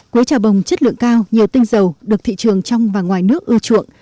quế trà bồng chất lượng cao nhiều tinh dầu được thị trường trong và ngoài nước ưa chuộng